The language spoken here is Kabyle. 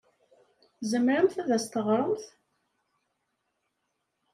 Tzemremt ad as-teɣremt?